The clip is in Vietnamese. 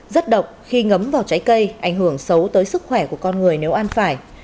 rất độc khi ngấm vào trái cây ảnh hưởng xấu tới sức khỏe của con người nếu ăn phải